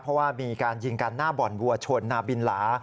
เพราะว่ามีการยิงกันหน้าบ่อนวัวชนนาบินหลา